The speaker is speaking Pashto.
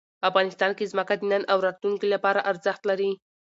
افغانستان کې ځمکه د نن او راتلونکي لپاره ارزښت لري.